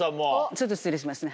ちょっと失礼しますね。